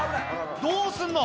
どうすんの。